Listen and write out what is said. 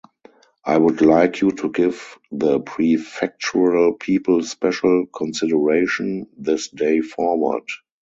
I would like you to give the prefectural people special consideration, this day forward.